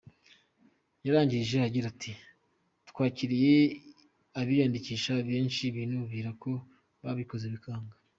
Yarangije agira ati :” Twakiriye abiyandikisha benshi binubira ko babikoze bikanga.